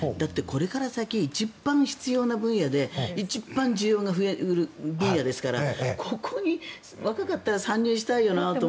これか先一番必要な分野で一番需要が増える分野ですからここに、若かったら参入したいよなと。